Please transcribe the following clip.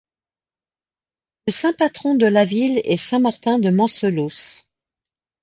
Le Saint-patron de la ville est Saint-Martin de Mancelos.